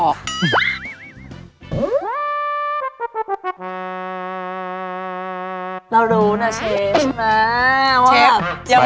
เรารู้นะเชฟน่าว่า